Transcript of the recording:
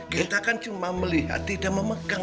kita kan cuma melihat tidak memegang